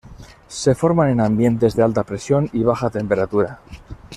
Se forman en ambientes de alta presión y baja temperatura.